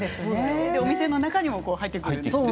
お店の中にも入ってくるんですよね。